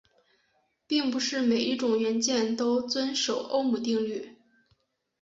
并不是每一种元件都遵守欧姆定律。